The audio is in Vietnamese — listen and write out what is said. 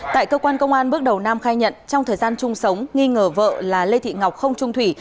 tại cơ quan công an bước đầu nam khai nhận trong thời gian chung sống nghi ngờ vợ là lê thị ngọc không trung thủy